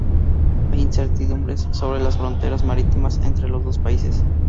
Hay incertidumbres sobre las fronteras marítimas entre los dos países.